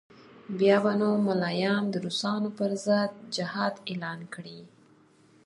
بیا به نو ملایان د روسانو پر ضد جهاد اعلان کړي.